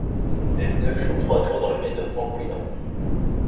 Les pneus font trois tours dans le vide en couinant.